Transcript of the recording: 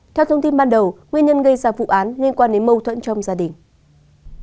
theo thông tin ban đầu nguyên nhân gây ra vụ án liên quan đến mâu thuẫn trong gia đình